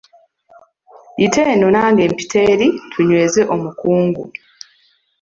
Yita eno nange mpite eri tunyweze omukungu.